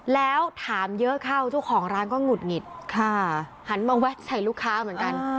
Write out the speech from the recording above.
แล้วถามเยอะเข้าเจ้าของร้านก็หงุดหงิดค่ะหันมาแวะใส่ลูกค้าเหมือนกัน